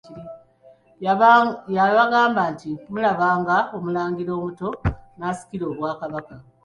Yabagamba nti mulabanga Omulangira omuto n'asikira obwakabaka.